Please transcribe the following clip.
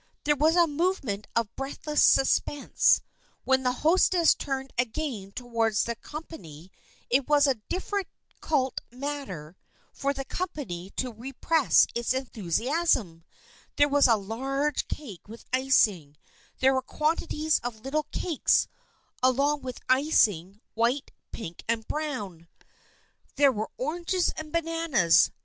There was a movement of breathless suspense. When the hostesses turned again towards the com pany it was a difficult matter for the company to repress its enthusiasm. There was a large cake with icing, there were quantities of little cakes, also with icing, white, pink and brown. There 250 THE FKIENDSHIP OF ANNE were oranges and bananas.